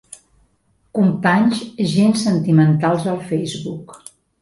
Companys gens sentimentals al Facebook .